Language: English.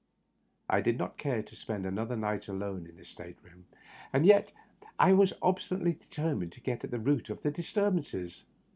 I did not care to spend another night alone in the state=room, and yet I was obstinately determined to get at the root of the disturbances.